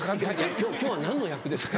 「今日は何の役ですか？」